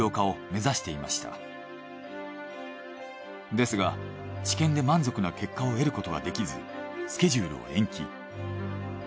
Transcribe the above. ですが治験で満足な結果を得ることができずスケジュールを延期。